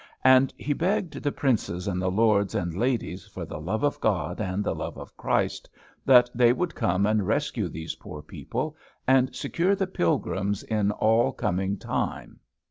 And he begged the princes and the lords and ladies, for the love of God and the love of Christ, that they would come and rescue these poor people, and secure the pilgrims in all coming time.